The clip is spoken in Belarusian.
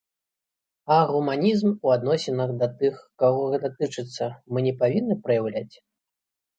А гуманізм у адносінах да тых, каго гэта тычыцца, мы не павінны праяўляць?